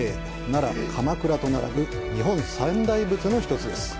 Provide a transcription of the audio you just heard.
奈良、鎌倉と並ぶ日本三大仏の１つです。